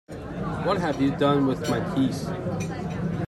What have you done with my keys?